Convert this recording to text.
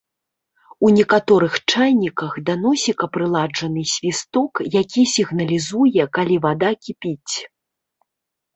У некаторых чайніках да носіка прыладжаны свісток, які сігналізуе, калі вада кіпіць.